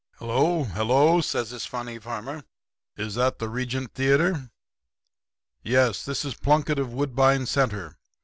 "'Hello, hello!' says this funny farmer. 'Is that the Regent Theatre? Yes; this is Plunkett, of Woodbine Centre.